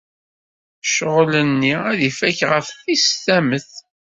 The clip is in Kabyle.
Ccɣel-nni ad ifak ɣef tis tamet.